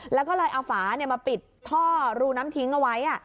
แล้วก็เลยเอาฝามาปิดท่อรูน้ำทิ้งเอาไว้